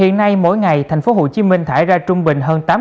hiện nay mỗi ngày thành phố hồ chí minh thải ra trung bình hơn tám mươi